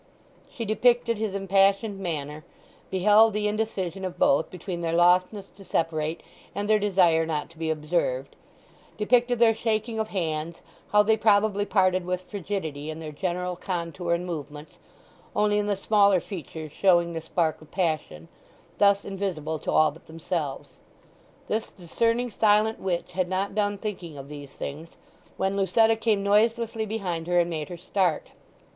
She depicted his impassioned manner; beheld the indecision of both between their lothness to separate and their desire not to be observed; depicted their shaking of hands; how they probably parted with frigidity in their general contour and movements, only in the smaller features showing the spark of passion, thus invisible to all but themselves. This discerning silent witch had not done thinking of these things when Lucetta came noiselessly behind her and made her start.